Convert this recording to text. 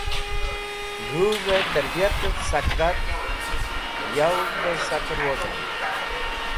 g̃hũw’v-e tarbiyatev sak rat, yowev be saker wozomd.